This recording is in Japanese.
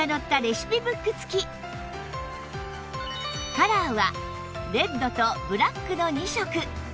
カラーはレッドとブラックの２色